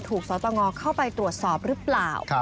สตงเข้าไปตรวจสอบหรือเปล่า